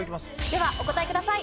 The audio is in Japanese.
ではお答えください。